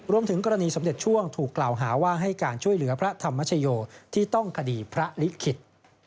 รวมถึงกรณีสมเด็จช่วงถูกกล่าวหาว่าให้การช่วยเหลือพระธรรมชโยที่ต้องคดีพระลิขิต